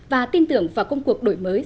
và tin tưởng vào công cuộc đổi mới